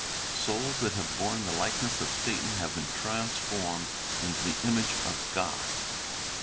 Souls that have borne the likeness of Satan, have been transformed into the image of God.